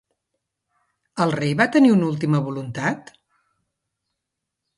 El rei va tenir una última voluntat?